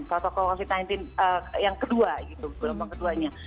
protokol covid sembilan belas yang kedua gitu gelombang keduanya